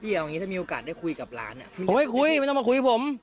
เอาอย่างนี้ถ้ามีโอกาสได้คุยกับร้านผมไม่คุยไม่ต้องมาคุยผม